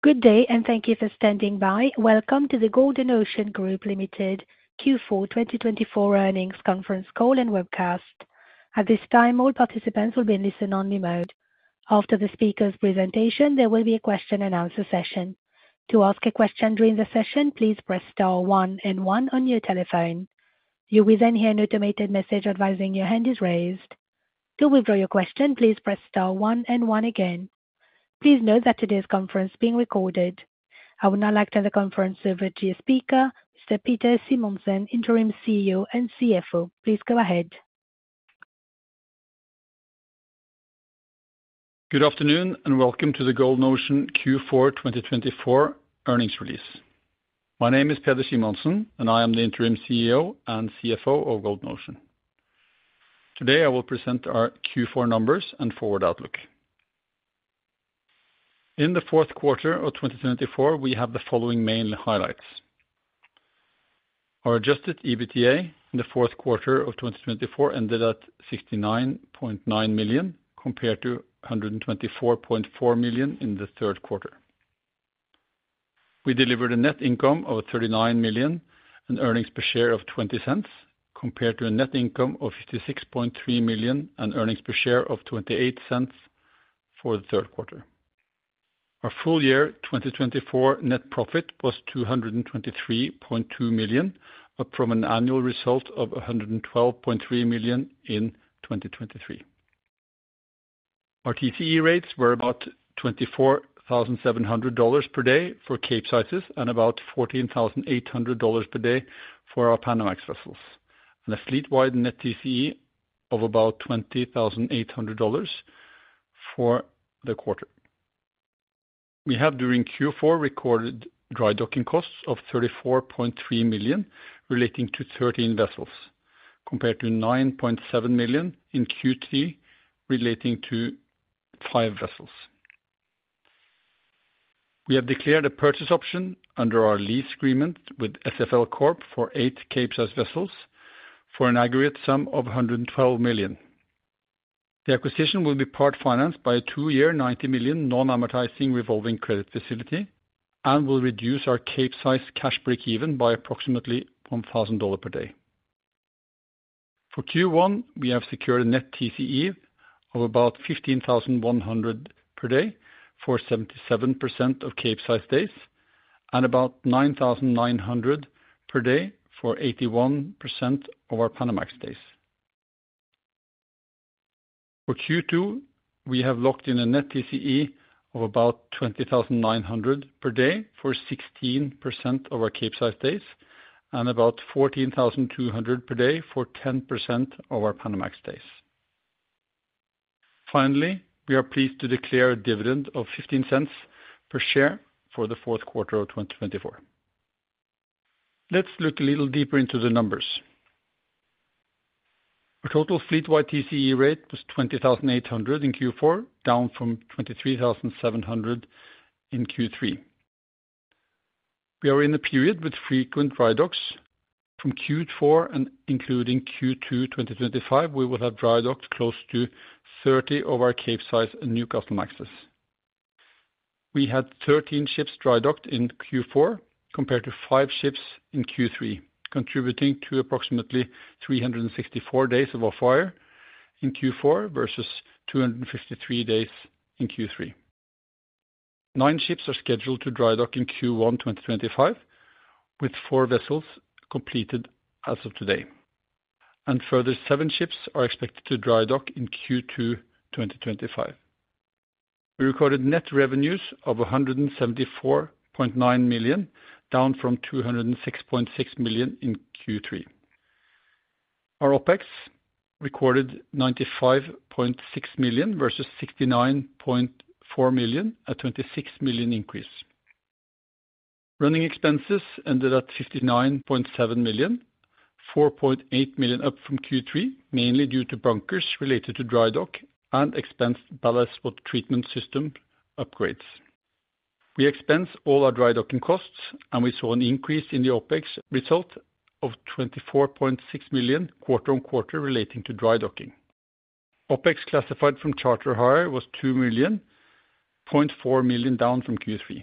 Good day, and thank you for standing by. Welcome to the Golden Ocean Group Limited Q4 2024 earnings conference call and webcast. At this time, all participants will be in listen-only mode. After the speaker's presentation, there will be a question-and-answer session. To ask a question during the session, please press star one and one on your telephone. You will then hear an automated message advising your hand is raised. To withdraw your question, please press star one and one again. Please note that today's conference is being recorded. I will now turn the conference over to your speaker, Mr. Peder Simonsen, Interim CEO and CFO. Please go ahead. Good afternoon, and welcome to the Golden Ocean Q4 2024 earnings release. My name is Peder Simonsen, and I am the Interim CEO and CFO of Golden Ocean. Today, I will present our Q4 numbers and forward outlook. In the fourth quarter of 2024, we have the following main highlights: our adjusted EBITDA in the fourth quarter of 2024 ended at $69.9 million compared to $124.4 million in the third quarter. We delivered a net income of $39 million and earnings per share of $0.20 compared to a net income of $56.3 million and earnings per share of $0.28 for the third quarter. Our full year 2024 net profit was $223.2 million, up from an annual result of $112.3 million in 2023. Our TCE rates were about $24,700 per day for Capesize and about $14,800 per day for our Panamax vessels, and a fleet-wide net TCE of about $20,800 for the quarter. We have, during Q4, recorded dry docking costs of $34.3 million relating to 13 vessels, compared to $9.7 million in Q3 relating to five vessels. We have declared a purchase option under our lease agreement with SFL Corp for eight Capesize vessels for an aggregate sum of $112 million. The acquisition will be part-financed by a two-year, $90 million non-amortizing revolving credit facility and will reduce our Capesize cash break-even by approximately $1,000 per day. For Q1, we have secured a net TCE of about 15,100 per day for 77% of Capesize days and about 9,900 per day for 81% of our Panamax days. For Q2, we have locked in a net TCE of about $20,900 per day for 16% of our Capesize days and about $14,200 per day for 10% of our Panamax days. Finally, we are pleased to declare a dividend of $0.15 per share for the fourth quarter of 2024. Let's look a little deeper into the numbers. Our total fleet-wide TCE rate was $20,800 in Q4, down from $23,700 in Q3. We are in a period with frequent dry docks. From Q4 and including Q2 2025, we will have dry-docked close to 30 of our Capesize and Newcastlemaxes. We had 13 ships dry-docked in Q4 compared to five ships in Q3, contributing to approximately 364 days of off-hire in Q4 versus 253 days in Q3. Nine ships are scheduled to dry dock in Q1 2025, with four vessels completed as of today, and further seven ships are expected to dry dock in Q2 2025. We recorded net revenues of $174.9 million, down from $206.6 million in Q3. Our OPEX recorded $95.6 million versus $69.4 million, a $26 million increase. Running expenses ended at $59.7 million, $4.8 million up from Q3, mainly due to bunkers related to dry dock and expensed ballast water treatment system upgrades. We expensed all our dry docking costs, and we saw an increase in the OPEX result of $24.6 million quarter-on-quarter relating to dry docking. OPEX classified from charter hire was $2 million, $0.4 million down from Q3.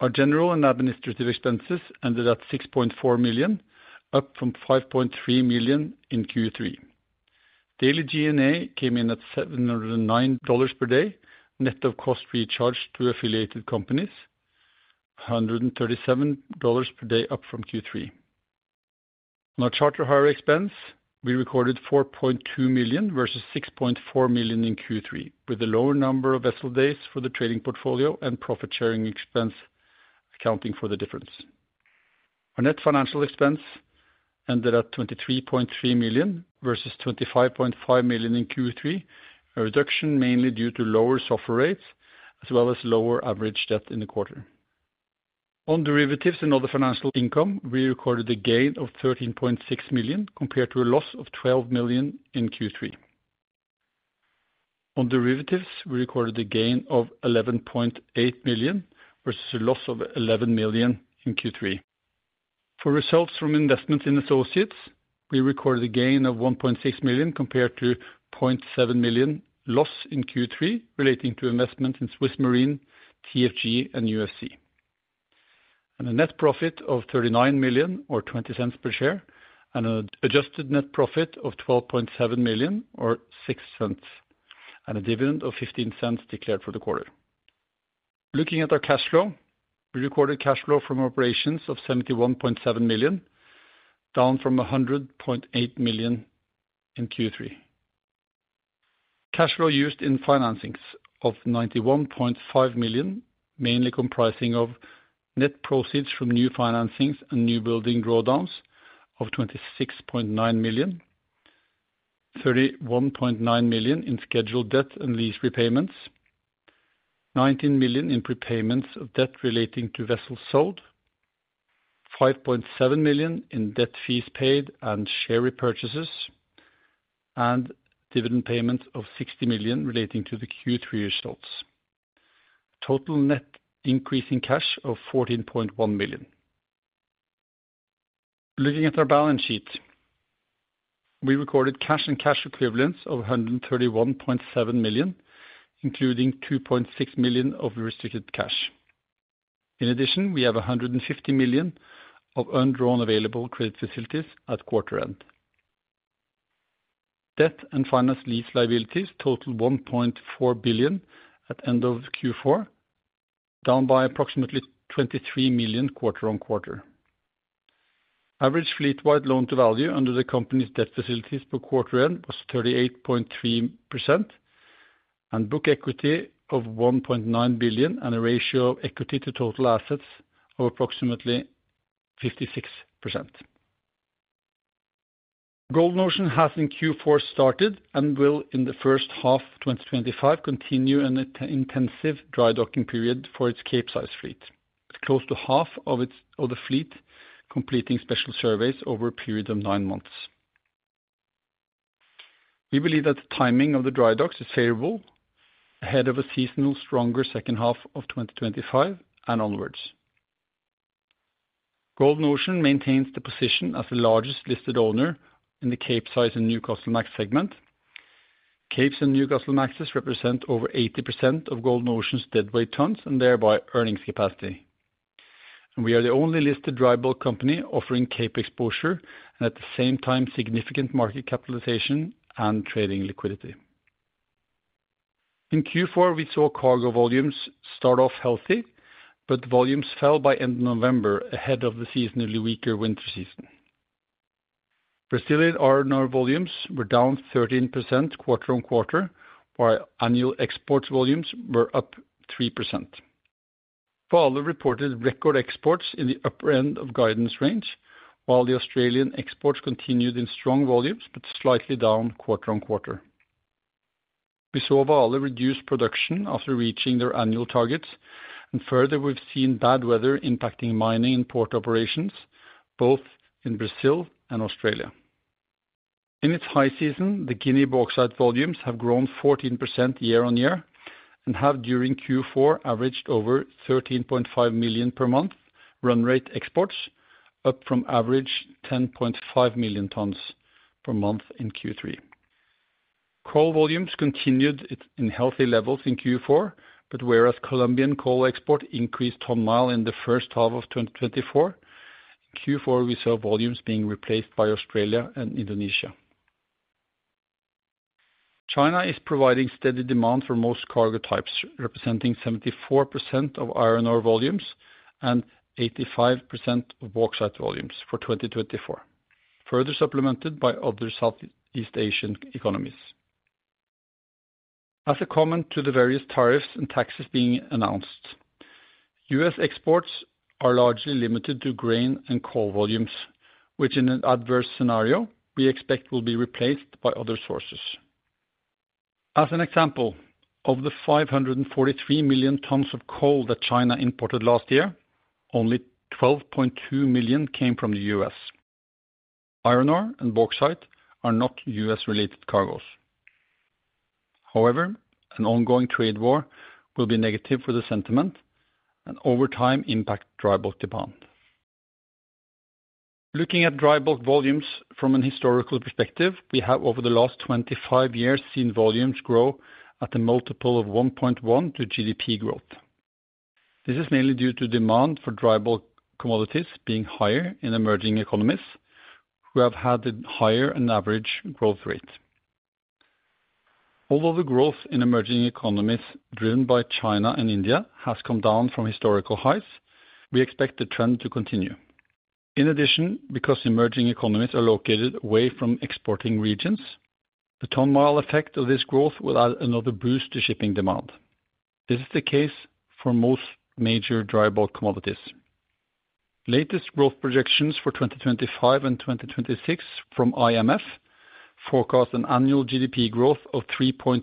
Our general and administrative expenses ended at $6.4 million, up from $5.3 million in Q3. Daily G&A came in at $709 per day, net of costs recharged to affiliated companies, $137 per day, up from Q3. On our charter hire expense, we recorded $4.2 million versus $6.4 million in Q3, with a lower number of vessel days for the trading portfolio and profit-sharing expense accounting for the difference. Our net financial expense ended at $23.3 million versus $25.5 million in Q3, a reduction mainly due to lower SOFR rates as well as lower average debt in the quarter. On derivatives and other financial income, we recorded a gain of $13.6 million compared to a loss of $12 million in Q3. On derivatives, we recorded a gain of $11.8 million versus a loss of $11 million in Q3. For results from investments in associates, we recorded a gain of $1.6 million compared to $0.7 million loss in Q3 relating to investments in SwissMarine, TFG, and UFC, and a net profit of $39 million or $0.20 per share, and an adjusted net profit of $12.7 million or $0.06, and a dividend of $0.15 declared for the quarter. Looking at our cash flow, we recorded cash flow from operations of $71.7 million, down from $100.8 million in Q3. Cash flow used in financings of $91.5 million, mainly comprising of net proceeds from new financings and newbuilding drawdowns of $26.9 million, $31.9 million in scheduled debt and lease repayments, $19 million in prepayments of debt relating to vessels sold, $5.7 million in debt fees paid and share repurchases, and dividend payments of $60 million relating to the Q3 results. Total net increase in cash of $14.1 million. Looking at our balance sheet, we recorded cash and cash equivalents of $131.7 million, including $2.6 million of restricted cash. In addition, we have $150 million of undrawn available credit facilities at quarter-end. Debt and finance lease liabilities total $1.4 billion at the end of Q4, down by approximately $23 million quarter-on-quarter. Average fleet-wide loan-to-value under the company's debt facilities at quarter-end was 38.3%, and book equity of $1.9 billion and a ratio of equity to total assets of approximately 56%. Golden Ocean has in Q4 started and will, in the first half of 2025, continue an intensive dry-docking period for its Capesize fleet, close to half of the fleet completing special surveys over a period of nine months. We believe that the timing of the dry docks is favorable ahead of a seasonal stronger second half of 2025 and onwards. Golden Ocean maintains the position as the largest listed owner in the Capesize and Newcastlemax segment. Capes and Newcastlemaxes represent over 80% of Golden Ocean's deadweight tons and thereby earnings capacity. We are the only listed dry bulk company offering Cape exposure and at the same time significant market capitalization and trading liquidity. In Q4, we saw cargo volumes start off healthy, but volumes fell by end of November ahead of the seasonally weaker winter season. Brazilian iron ore volumes were down 13% quarter-on-quarter, while annual exports volumes were up 3%. Vale reported record exports in the upper end of guidance range, while the Australian exports continued in strong volumes but slightly down quarter-on-quarter. We saw Vale reduce production after reaching their annual target, and further, we've seen bad weather impacting mining and port operations, both in Brazil and Australia. In its high season, the Guinea bauxite volumes have grown 14% year on year and have, during Q4, averaged over 13.5 million per month run rate exports, up from average 10.5 million tons per month in Q3. Coal volumes continued in healthy levels in Q4, but whereas Colombian coal export increased ton-mile in the first half of 2024, in Q4, we saw volumes being replaced by Australia and Indonesia. China is providing steady demand for most cargo types, representing 74% of iron ore volumes and 85% of bauxite volumes for 2024, further supplemented by other Southeast Asian economies. As a comment to the various tariffs and taxes being announced, U.S. exports are largely limited to grain and coal volumes, which, in an adverse scenario, we expect will be replaced by other sources. As an example, of the 543 million tons of coal that China imported last year, only 12.2 million came from the U.S. Iron ore and bauxite are not U.S.-related cargoes. However, an ongoing trade war will be negative for the sentiment and, over time, impact dry bulk demand. Looking at dry bulk volumes from a historical perspective, we have, over the last 25 years, seen volumes grow at a 1.1x to GDP growth. This is mainly due to demand for dry bulk commodities being higher in emerging economies who have had a higher-than-average growth rate. Although the growth in emerging economies driven by China and India has come down from historical highs, we expect the trend to continue. In addition, because emerging economies are located away from exporting regions, the ton-mile effect of this growth will add another boost to shipping demand. This is the case for most major dry bulk commodities. Latest growth projections for 2025 and 2026 from IMF forecast an annual GDP growth of 3.3%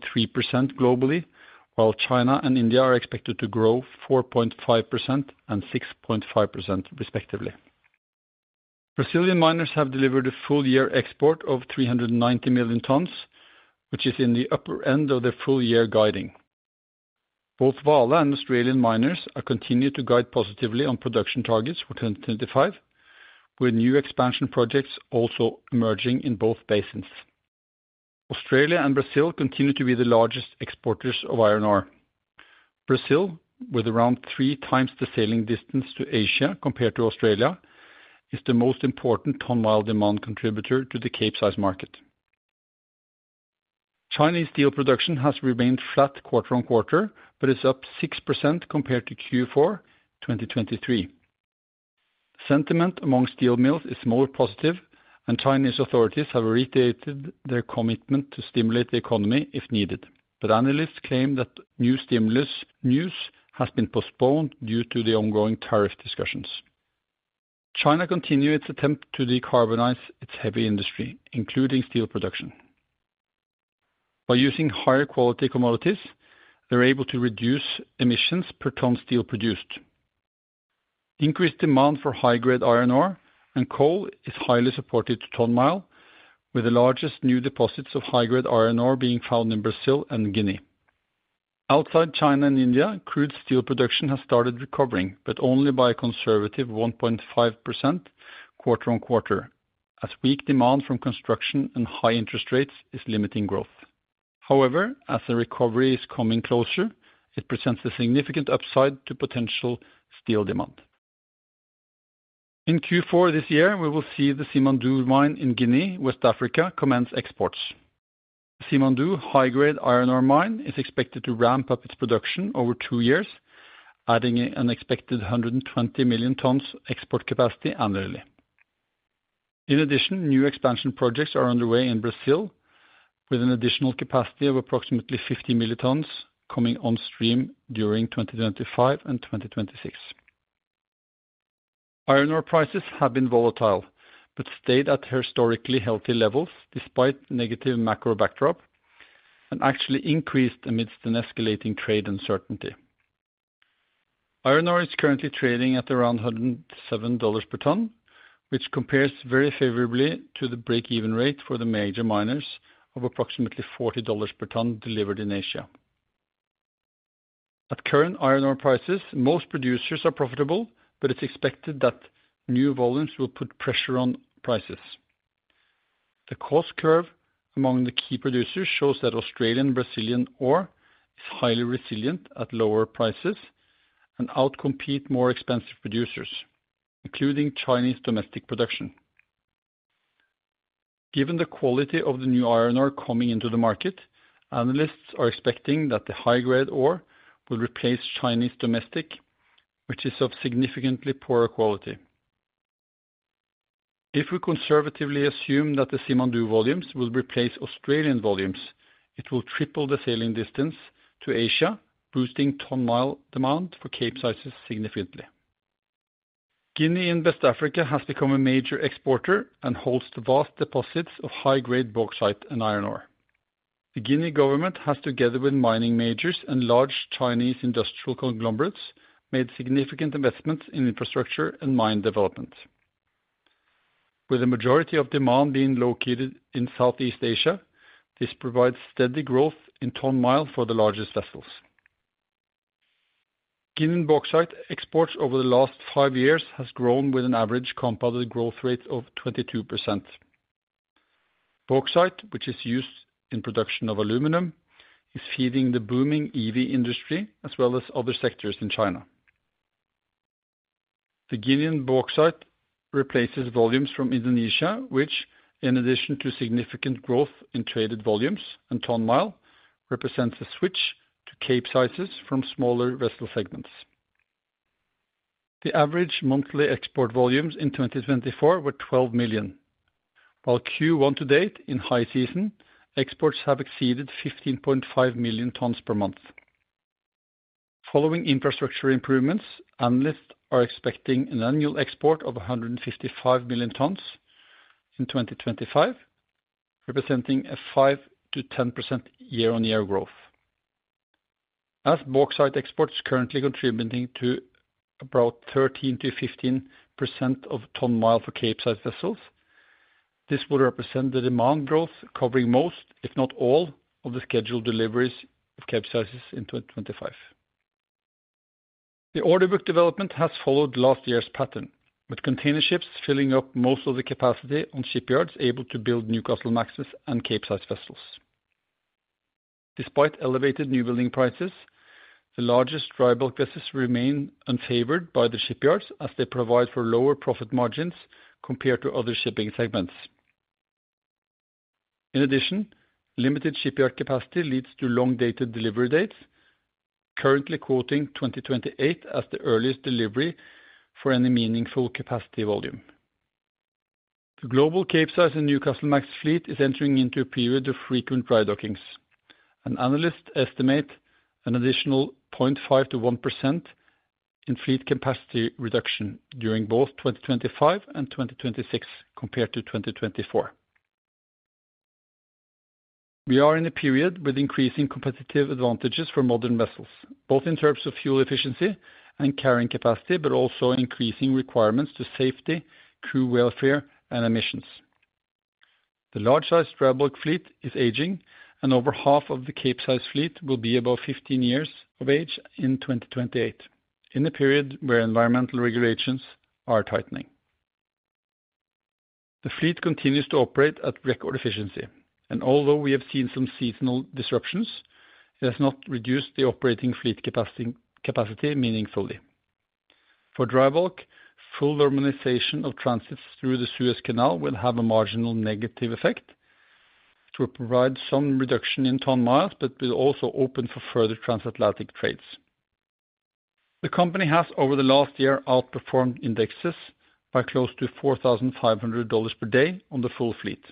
globally, while China and India are expected to grow 4.5% and 6.5%, respectively. Brazilian miners have delivered a full year export of 390 million tons, which is in the upper end of their full year guiding. Both Vale and Australian miners continue to guide positively on production targets for 2025, with new expansion projects also emerging in both basins. Australia and Brazil continue to be the largest exporters of iron ore. Brazil, with around 3x the sailing distance to Asia compared to Australia, is the most important ton-mile demand contributor to the Capesize market. Chinese steel production has remained flat quarter-on-quarter but is up 6% compared to Q4 2023. Sentiment among steel mills is more positive, and Chinese authorities have reiterated their commitment to stimulate the economy if needed, but analysts claim that new stimulus news has been postponed due to the ongoing tariff discussions. China continues its attempt to decarbonize its heavy industry, including steel production. By using higher quality commodities, they're able to reduce emissions per ton of steel produced. Increased demand for high-grade iron ore and coal is highly supportive of ton-mile, with the largest new deposits of high-grade iron ore being found in Brazil and Guinea. Outside China and India, crude steel production has started recovering, but only by a conservative 1.5% quarter-on-quarter, as weak demand from construction and high interest rates is limiting growth. However, as the recovery is coming closer, it presents a significant upside to potential steel demand. In Q4 this year, we will see the Simandou mine in Guinea, West Africa, commence exports. Simandou high-grade iron ore mine is expected to ramp up its production over two years, adding an expected 120 million tons export capacity annually. In addition, new expansion projects are underway in Brazil, with an additional capacity of approximately 50 million tons coming on stream during 2025 and 2026. Iron ore prices have been volatile but stayed at historically healthy levels despite negative macro backdrop and actually increased amidst an escalating trade uncertainty. Iron ore is currently trading at around $107 per ton, which compares very favorably to the break-even rate for the major miners of approximately $40 per ton delivered in Asia. At current iron ore prices, most producers are profitable, but it's expected that new volumes will put pressure on prices. The cost curve among the key producers shows that Australian and Brazilian ore is highly resilient at lower prices and outcompetes more expensive producers, including Chinese domestic production. Given the quality of the new iron ore coming into the market, analysts are expecting that the high-grade ore will replace Chinese domestic, which is of significantly poorer quality. If we conservatively assume that the Simandou volumes will replace Australian volumes, it will triple the sailing distance to Asia, boosting ton-mile demand for Capesize significantly. Guinea and West Africa has become a major exporter and holds the vast deposits of high-grade bauxite and iron ore. The Guinean government has, together with mining majors and large Chinese industrial conglomerates, made significant investments in infrastructure and mine development. With the majority of demand being located in Southeast Asia, this provides steady growth in ton-mile for the largest vessels. Guinean bauxite exports over the last five years have grown with an average compounded growth rate of 22%. Bauxite, which is used in production of aluminum, is feeding the booming EV industry as well as other sectors in China. The Guinean bauxite replaces volumes from Indonesia, which, in addition to significant growth in traded volumes and ton-mile, represents a switch to Capesize from smaller vessel segments. The average monthly export volumes in 2024 were 12 million tons, while Q1 to date in high season, exports have exceeded 15.5 million tons per month. Following infrastructure improvements, analysts are expecting an annual export of 155 million tons in 2025, representing a 5%-10% year-on-year growth. As bauxite exports currently contributing to about 13%-15% of ton-mile for Capesize vessels, this would represent the demand growth covering most, if not all, of the scheduled deliveries of Capesize in 2025. The order book development has followed last year's pattern, with container ships filling up most of the capacity on shipyards able to build Newcastlemaxes and Capesize vessels. Despite elevated newbuilding prices, the largest dry bulk vessels remain unfavored by the shipyards as they provide for lower profit margins compared to other shipping segments. In addition, limited shipyard capacity leads to long-dated delivery dates, currently quoting 2028 as the earliest delivery for any meaningful capacity volume. The global Capesize and Newcastlemax fleet is entering into a period of frequent dry dockings. An analyst estimates an additional 0.5%-1% in fleet capacity reduction during both 2025 and 2026 compared to 2024. We are in a period with increasing competitive advantages for modern vessels, both in terms of fuel efficiency and carrying capacity, but also increasing requirements to safety, crew welfare, and emissions. The large-sized dry bulk fleet is aging, and over half of the Capesize fleet will be about 15 years of age in 2028, in a period where environmental regulations are tightening. The fleet continues to operate at record efficiency, and although we have seen some seasonal disruptions, it has not reduced the operating fleet capacity meaningfully. For dry bulk, full normalization of transits through the Suez Canal will have a marginal negative effect to provide some reduction in ton-miles, but will also open for further transatlantic trades. The company has, over the last year, outperformed indexes by close to $4,500 per day on the full fleet.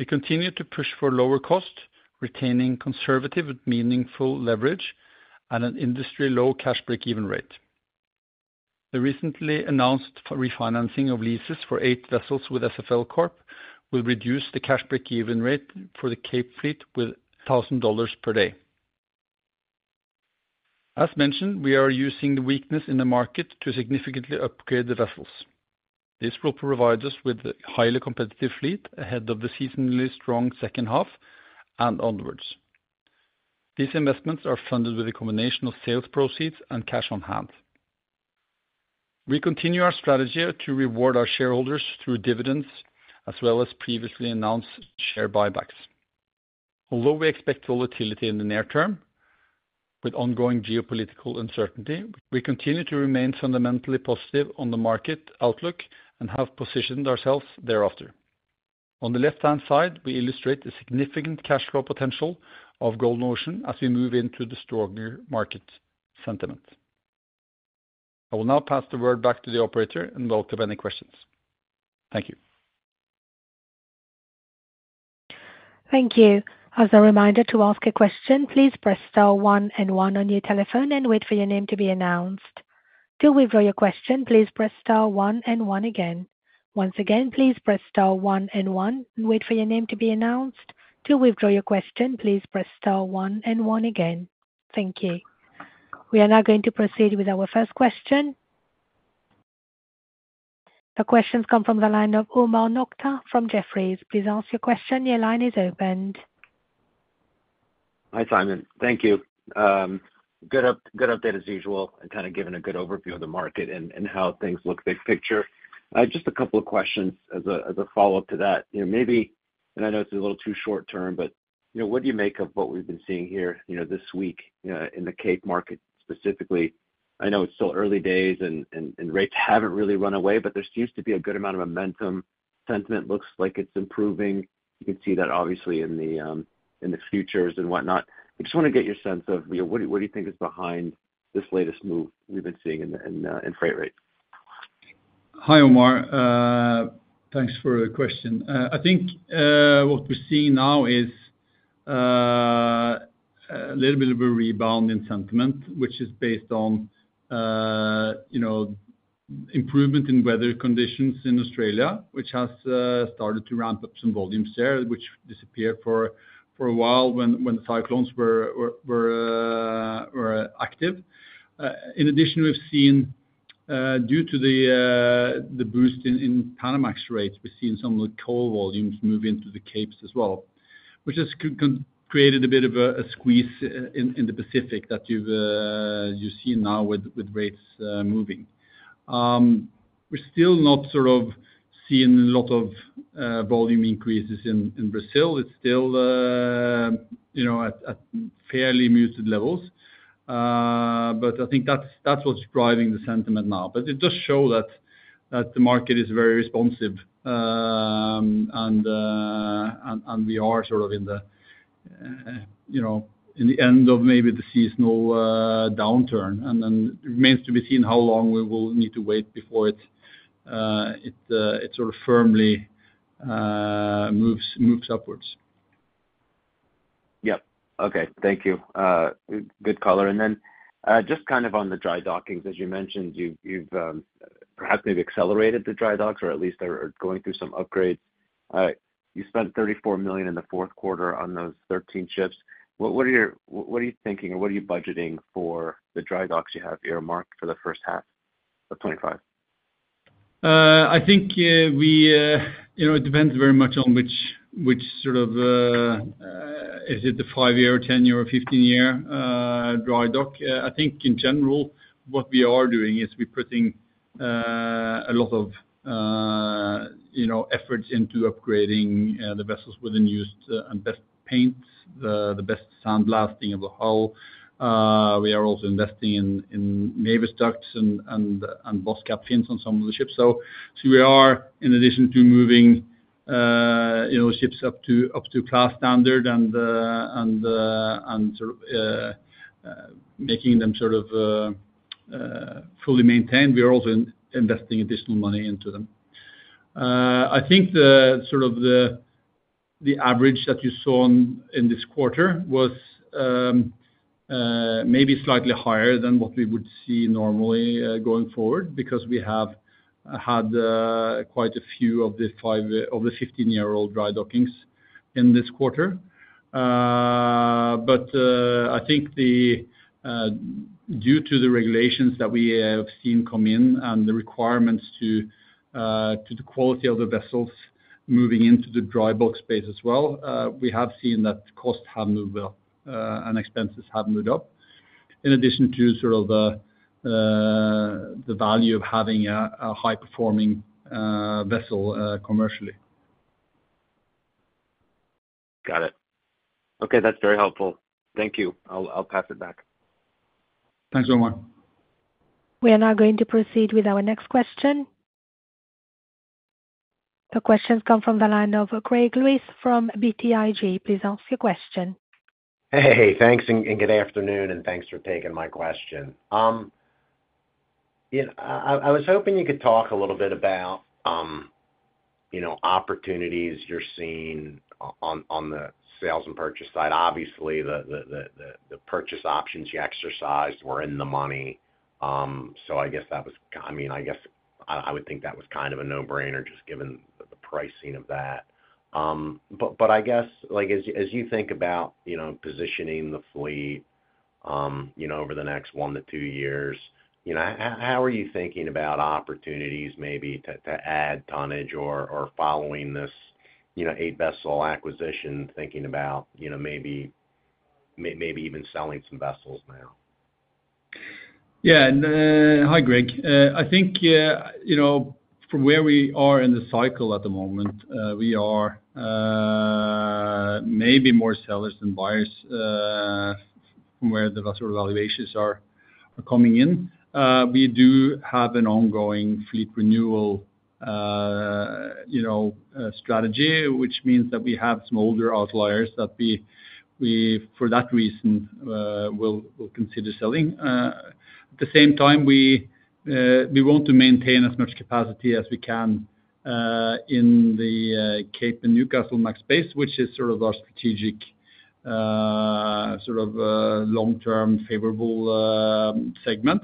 We continue to push for lower cost, retaining conservative but meaningful leverage at an industry-low cash break-even rate. The recently announced refinancing of leases for eight vessels with SFL Corp will reduce the cash break-even rate for the cape fleet with $1,000 per day. As mentioned, we are using the weakness in the market to significantly upgrade the vessels. This will provide us with a highly competitive fleet ahead of the seasonally strong second half and onwards. These investments are funded with a combination of sales proceeds and cash on hand. We continue our strategy to reward our shareholders through dividends, as well as previously announced share buybacks. Although we expect volatility in the near-term with ongoing geopolitical uncertainty, we continue to remain fundamentally positive on the market outlook and have positioned ourselves thereafter. On the left-hand side, we illustrate the significant cash flow potential of Golden Ocean as we move into the stronger market sentiment. I will now pass the word back to the operator and welcome any questions. Thank you. Thank you. As a reminder to ask a question, please press star one and one on your telephone and wait for your name to be announced. To withdraw your question, please press star one and one again. Once again, please press star one and one and wait for your name to be announced. To withdraw your question, please press star one and one again. Thank you. We are now going to proceed with our first question. The questions come from the line of Omar Nokta from Jefferies. Please ask your question. Your line is opened. Hi, Simonsen. Thank you. Good update as usual. I'm kind of giving a good overview of the market and how things look big picture. Just a couple of questions as a follow-up to that. Maybe, and I know it's a little too short-term, but what do you make of what we've been seeing here this week in the Cape market specifically? I know it's still early days and rates haven't really run away, but there seems to be a good amount of momentum. Sentiment looks like it's improving. You can see that obviously in the futures and whatnot. I just want to get your sense of what do you think is behind this latest move we've been seeing in freight rates? Hi, Omar. Thanks for the question. I think what we're seeing now is a little bit of a rebound in sentiment, which is based on improvement in weather conditions in Australia, which has started to ramp up some volumes there, which disappeared for a while when the cyclones were active. In addition, we've seen, due to the boost in Panamax rates, we've seen some of the coal volumes move into the Capes as well, which has created a bit of a squeeze in the Pacific that you've seen now with rates moving. We're still not sort of seeing a lot of volume increases in Brazil. It's still at fairly muted levels, but I think that's what's driving the sentiment now. But it does show that the market is very responsive, and we are sort of in the end of maybe the seasonal downturn. And then it remains to be seen how long we will need to wait before it sort of firmly moves upwards. Yep. Okay. Thank you. Good color. And then just kind of on the dry-dockings, as you mentioned, you've perhaps maybe accelerated the dry-docking, or at least are going through some upgrades. You spent $34 million in the fourth quarter on those 13 ships. What are you thinking, or what are you budgeting for the dry-docking you have earmarked for the first half of 2025? I think it depends very much on which sort of is it the five-year, 10-year, or 15-year dry dock. I think in general, what we are doing is we're putting a lot of efforts into upgrading the vessels with the newest and best paints, the best sandblasting of the hull. We are also investing in Mewis Ducts and Boss Cap Fins on some of the ships. So we are, in addition to moving ships up to class standard and sort of making them sort of fully maintained, we are also investing additional money into them. I think sort of the average that you saw in this quarter was maybe slightly higher than what we would see normally going forward because we have had quite a few of the 15-year-old dry-dockings in this quarter. But I think due to the regulations that we have seen come in and the requirements to the quality of the vessels moving into the dry bulk space as well, we have seen that costs have moved up and expenses have moved up, in addition to sort of the value of having a high-performing vessel commercially. Got it. Okay. That's very helpful. Thank you. I'll pass it back. Thanks, Omar. We are now going to proceed with our next question. The questions come from the line of Greg Lewis from BTIG. Please ask your question. Hey, hey. Thanks and good afternoon, and thanks for taking my question. I was hoping you could talk a little bit about opportunities you're seeing on the sales and purchase side. Obviously, the purchase options you exercised were in the money. So, I guess that was, I mean, I guess I would think that was kind of a no-brainer just given the pricing of that. But I guess as you think about positioning the fleet over the next one to two years, how are you thinking about opportunities maybe to add tonnage or, following this eight-vessel acquisition, thinking about maybe even selling some vessels now? Yeah. Hi, Greg. I think from where we are in the cycle at the moment, we are maybe more sellers than buyers from where the vessel valuations are coming in. We do have an ongoing fleet renewal strategy, which means that we have some older outliers that we, for that reason, will consider selling. At the same time, we want to maintain as much capacity as we can in the Capesize and Newcastlemax space, which is sort of our strategic sort of long-term favorable segment.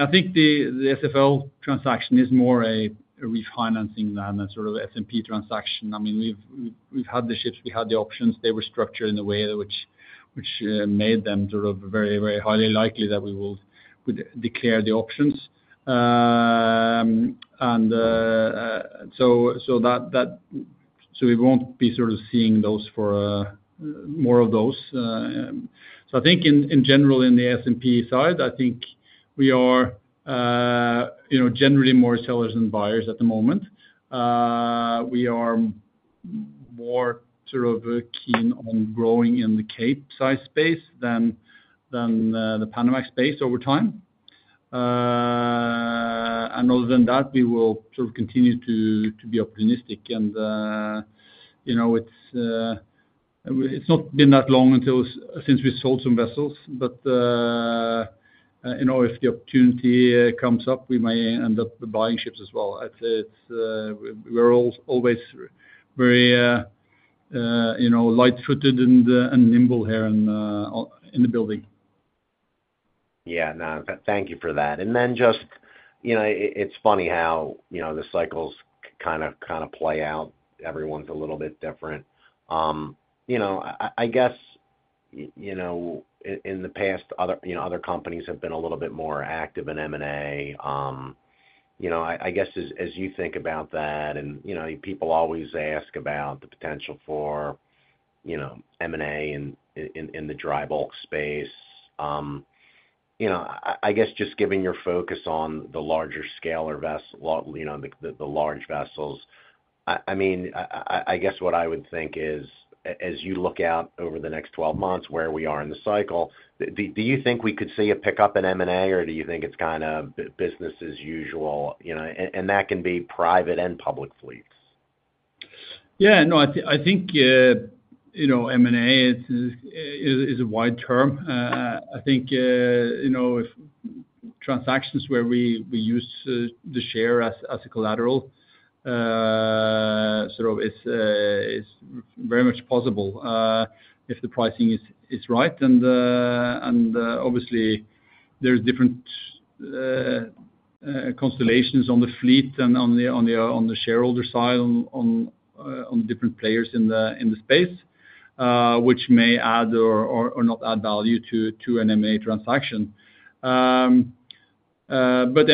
I think the SFL transaction is more a refinancing than a sort of S&P transaction. I mean, we've had the ships, we had the options, they were structured in a way which made them sort of very, very highly likely that we would declare the options. And so we won't be sort of seeing more of those. So I think in general, in the S&P side, I think we are generally more sellers than buyers at the moment. We are more sort of keen on growing in the Capesize space than the Panamax space over time. And other than that, we will sort of continue to be opportunistic. It's not been that long since we sold some vessels, but if the opportunity comes up, we may end up buying ships as well. We're always very light-footed and nimble here in the building. Yeah. No. Thank you for that. It's funny how the cycles kind of play out. Everyone's a little bit different. I guess in the past, other companies have been a little bit more active in M&A. I guess as you think about that, and people always ask about the potential for M&A in the dry bulk space. I guess just given your focus on the larger scale or the large vessels, I mean, I guess what I would think is as you look out over the next 12 months where we are in the cycle, do you think we could see a pickup in M&A, or do you think it's kind of business as usual? And that can be private and public fleets. Yeah. No. I think M&A is a wide term. I think transactions where we use the share as a collateral sort of is very much possible if the pricing is right. And obviously, there are different constellations on the fleet and on the shareholder side on different players in the space, which may add or not add value to an M&A transaction. But M&A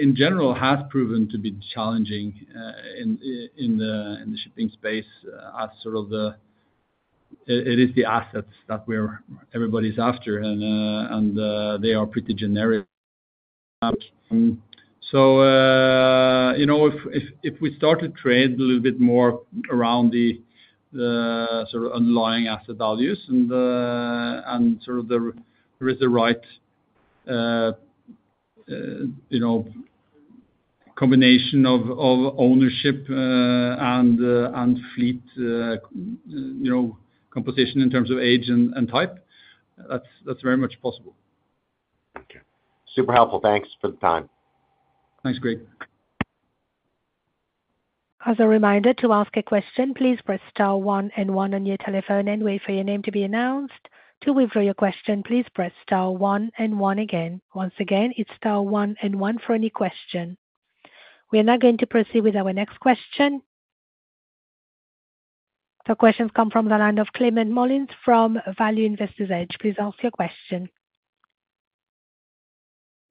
in general has proven to be challenging in the shipping space as sort of the it is the assets that everybody's after, and they are pretty generic. So if we start to trade a little bit more around the sort of underlying asset values and sort of there is the right combination of ownership and fleet composition in terms of age and type, that's very much possible. Okay. Super helpful. Thanks for the time. Thanks, Greg. As a reminder to ask a question, please press star one and one on your telephone and wait for your name to be announced. To withdraw your question, please press star one and one again. Once again, it's star one and one for any question. We are now going to proceed with our next question. The questions come from the line of Climent Molins from Value Investor's Edge. Please ask your question.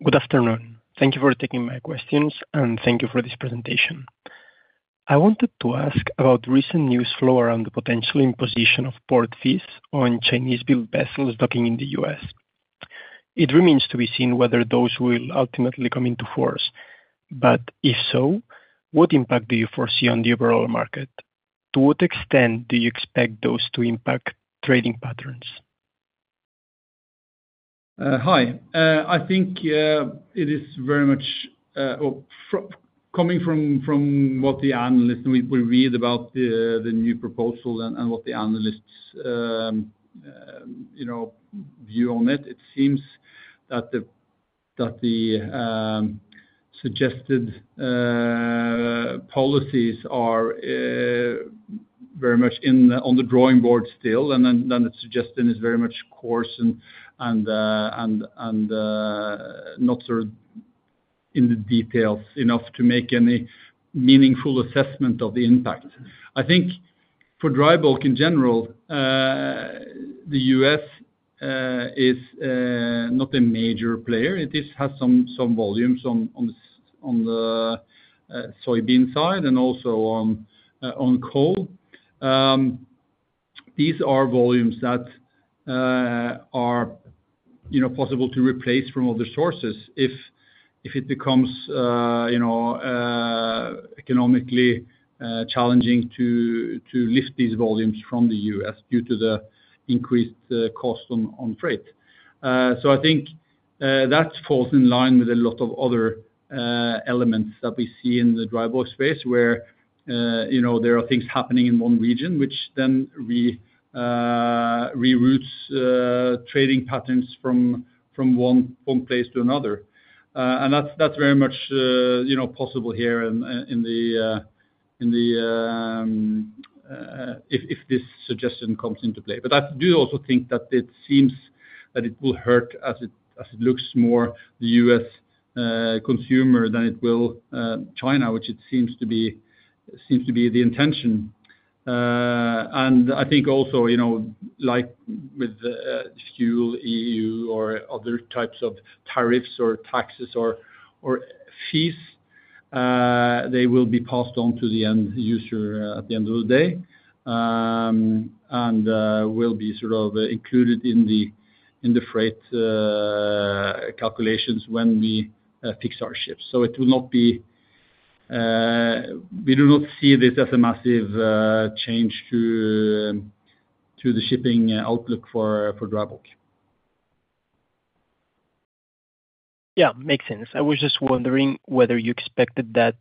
Good afternoon. Thank you for taking my questions, and thank you for this presentation. I wanted to ask about recent news flow around the potential imposition of port fees on Chinese-built vessels docking in the U.S. It remains to be seen whether those will ultimately come into force. But if so, what impact do you foresee on the overall market? To what extent do you expect those to impact trading patterns? Hi. I think it is very much coming from what the analysts we read about the new proposal and what the analysts view on it. It seems that the suggested policies are very much on the drawing board still, and then the suggestion is very much coarse and not sort of in the details enough to make any meaningful assessment of the impact. I think for dry bulk in general, the U.S. is not a major player. It has some volumes on the soybean side and also on coal. These are volumes that are possible to replace from other sources if it becomes economically challenging to lift these volumes from the U.S. due to the increased cost on freight. So I think that falls in line with a lot of other elements that we see in the dry bulk space where there are things happening in one region, which then reroutes trading patterns from one place to another. And that's very much possible here in the if this suggestion comes into play. But I do also think that it seems that it will hurt as it looks more the U.S. consumer than it will China, which it seems to be the intention. And I think also, like with FuelEU, or other types of tariffs or taxes or fees, they will be passed on to the end user at the end of the day and will be sort of included in the freight calculations when we fix our ships. So it will not be. We do not see this as a massive change to the shipping outlook for dry bulk. Yeah. Makes sense. I was just wondering whether you expected that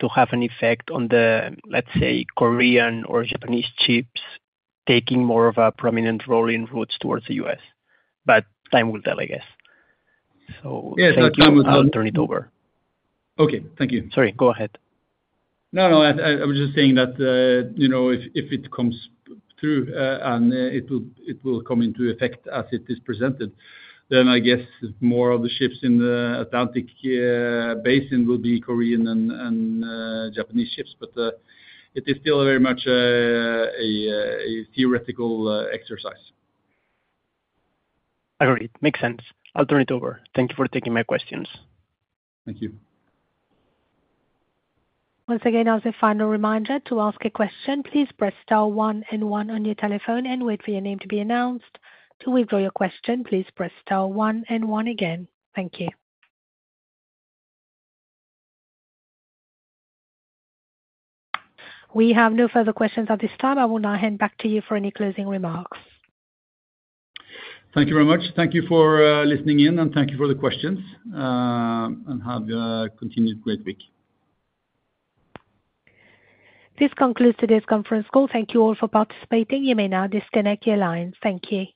to have an effect on the, let's say, Korean or Japanese ships taking more of a prominent role in routes towards the U.S. But time will tell, I guess. So I'll turn it over. Okay. Thank you. Sorry. Go ahead. No, no. I was just saying that if it comes through and it will come into effect as it is presented, then I guess more of the ships in the Atlantic Basin will be Korean and Japanese ships. But it is still very much a theoretical exercise. Agreed. Makes sense. I'll turn it over. Thank you for taking my questions. Thank you. Once again, as a final reminder to ask a question, please press star one and one on your telephone and wait for your name to be announced. To withdraw your question, please press star one and one again. Thank you. We have no further questions at this time. I will now hand back to you for any closing remarks. Thank you very much. Thank you for listening in, and thank you for the questions. And have a continued great week. This concludes today's conference call. Thank you all for participating. You may now disconnect your line. Thank you.